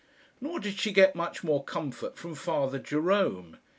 Nor did she get much more comfort from Father Jerome.